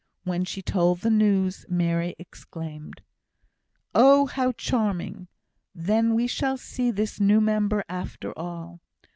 When she told the news, Mary exclaimed, "Oh, how charming! Then we shall see this new member after all!"